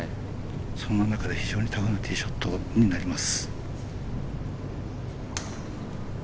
そんな中で、非常にタフなティーショットとなります。